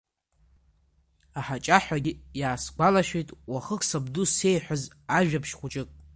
Аҳаҷаҳәагьы иаасгәалашәеит уахык сабду исеиҳәаз ажәабжь хәыҷык…